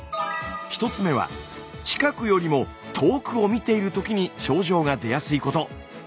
１つ目は近くよりも遠くを見ているときに症状が出やすいこと。